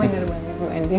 kenalan dari mana mbak andin